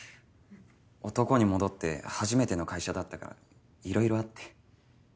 男に戻って初めての会社だったから色々あって。